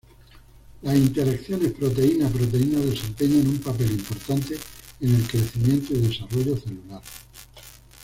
Las interacciones proteína-proteína desempeñan un papel importante en el crecimiento y desarrollo celular.